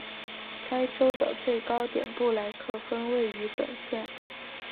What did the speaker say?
该州的最高点布莱克峰位于本县。